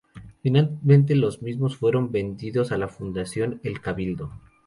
Finalmente los mismos fueron vendidos a la fundación "El Cabildo".